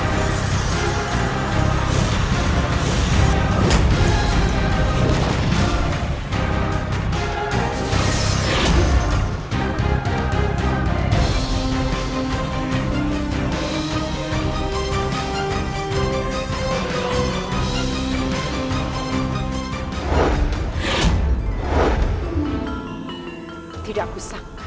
kau telah memberikan pelajaran berharga untukku